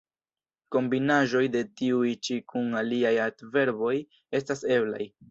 Kombinaĵoj de tiuj ĉi kun aliaj adverboj estas eblaj.